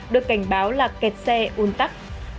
được cảnh báo là kẹt xe un tắc